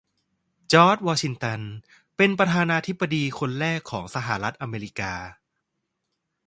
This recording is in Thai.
จอร์จ วอชิงตันเป็นประธานาธิบดีคนแรกของสหรัฐอเมริกา